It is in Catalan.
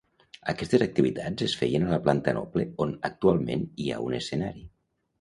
Aquestes activitats es feien a la planta noble on actualment hi ha un escenari.